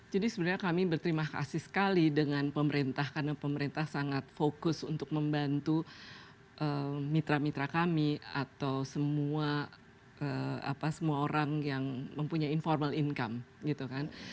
jadi sebenarnya kami berterima kasih sekali dengan pemerintah karena pemerintah sangat fokus untuk membantu mitra mitra kami atau semua orang yang mempunyai income informel gitu kan